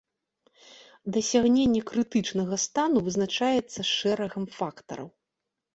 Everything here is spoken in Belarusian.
Дасягненне крытычнага стану вызначаецца шэрагам фактараў.